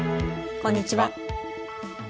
こんにちは。